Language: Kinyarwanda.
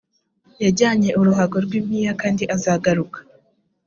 yajyanye uruhago rw impiya kandi azagaruka